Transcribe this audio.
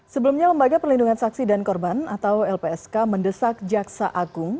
sebelumnya lembaga perlindungan saksi dan korban atau lpsk mendesak jaksa agung